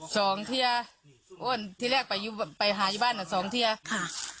สองเทียอ้วนที่แรกไปไปหาอยู่บ้านอ่ะสองเทียค่ะ